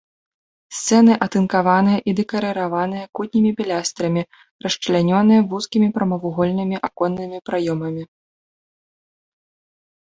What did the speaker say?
Сцены атынкаваныя і дэкарыраваныя кутнімі пілястрамі, расчлянёныя вузкімі прамавугольнымі аконнымі праёмамі.